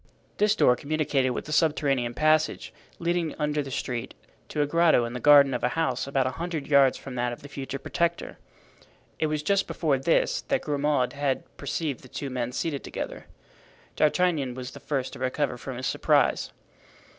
This door communicated with a subterranean passage, leading under the street to a grotto in the garden of a house about a hundred yards from that of the future Protector. It was just before this that Grimaud had perceived the two men seated together. D'Artagnan was the first to recover from his surprise.